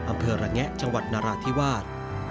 อำเภอระแงะจังหวัดนราธิวาส